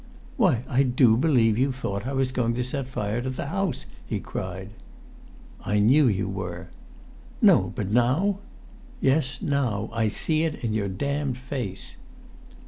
"Why, I do believe you thought I was going to set fire to the house!" he cried. "I knew you were." "No but now?" "Yes now I see it in your damned face!"